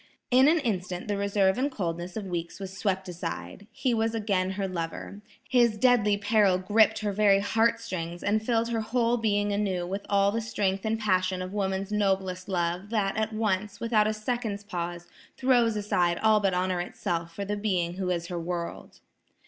In an instant the reserve and coldness of weeks was swept aside. He was again her lover. His deadly peril gripped her very heart strings, and filled her whole being anew with all the strength and passion of woman's noblest love, that, at once, without a second's pause, throws aside all but honor itself for the being who is her world.